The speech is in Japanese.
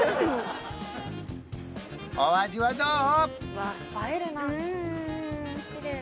お味はどう？